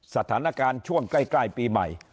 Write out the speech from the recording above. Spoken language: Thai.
สถานการณ์ช่วงใกล้ปีใหม่